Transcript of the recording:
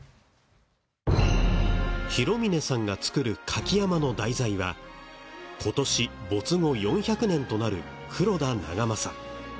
弘峰さんが作る舁き山笠の題材は今年没後４００年となる黒田長政。